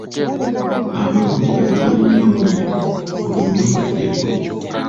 Abalungi kati balinga munnyo buli nnyumba gyeguli.